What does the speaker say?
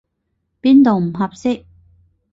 邊度唔合適？